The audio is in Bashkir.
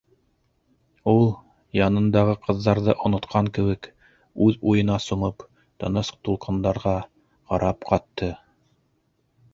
— Ул, янындағы ҡыҙҙарҙы онотҡан кеүек, үҙ уйына сумып, тыныс тулҡындарға ҡарап ҡатты.